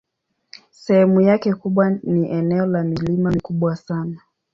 Sehemu yake kubwa ni eneo la milima mikubwa sana.